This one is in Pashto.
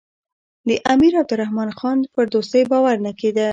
د امیر عبدالرحمن خان پر دوستۍ باور نه کېده.